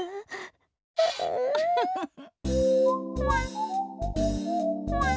ウフフフ。